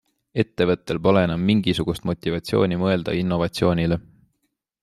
Ettevõtetel pole enam mingisugust motivatsiooni mõelda innovatsioonile.